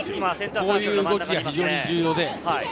こういう動きが非常に重要です。